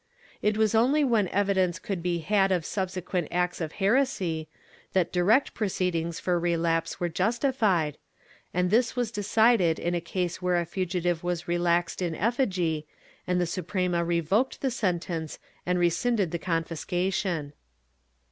It was only when evidence could be had of subsequent acts of heresy that direct proceedings for relapse were justified, and this was decided in a case where a fugitive was relaxed in effigy, and the Suprema revoked the sentence and rescinded the confiscation.'